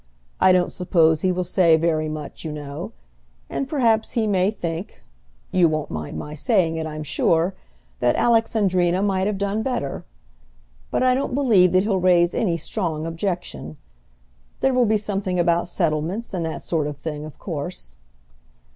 I don't suppose he will say very much, you know; and perhaps he may think, you won't mind my saying it, I'm sure, that Alexandrina might have done better. But I don't believe that he'll raise any strong objection. There will be something about settlements, and that sort of thing, of course."